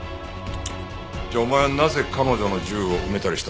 じゃあお前はなぜ彼女の銃を埋めたりしたんだ？